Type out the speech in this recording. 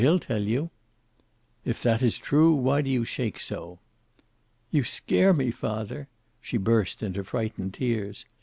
He'll tell you." "If that is true, why do you shake so?" "You scare me, father." She burst into frightened tears.